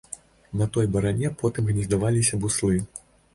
На той баране потым гнездаваліся буслы.